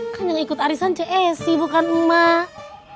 kan yang ikut arisan ce si bukan emak